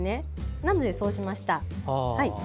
なので、そうしました。